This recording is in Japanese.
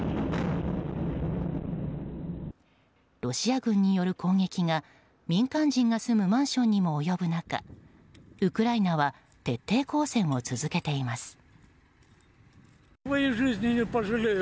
ロシア軍による攻撃が民間人が住むマンションにも及ぶ中ウクライナは徹底抗戦を続けています。